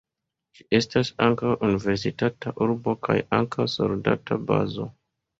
Ĝi estas ankaŭ universitata urbo kaj ankaŭ soldata bazo.